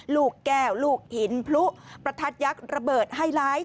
ลูกแก้วลูกหินพลุประทัดยักษ์ระเบิดไฮไลท์